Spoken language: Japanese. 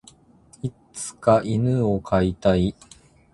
いつか犬を飼いたい。